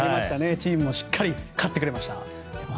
チームもしっかり勝ってくれました。